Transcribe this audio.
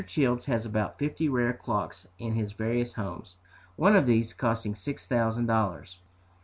Childs has about fifty rare clocks in his various homes, one of these costing six thousand dollars.